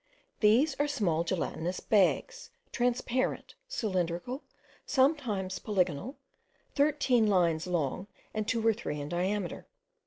These are small gelatinous bags, transparent, cylindrical, sometimes polygonal, thirteen lines long and two or three in diameter.